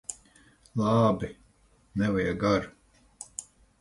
Labi! Nevajag ar'.